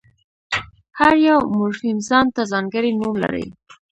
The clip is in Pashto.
هر یو مورفیم ځان ته ځانګړی نوم لري.